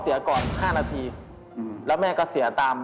เสียก่อน๕นาทีแล้วแม่ก็เสียตาม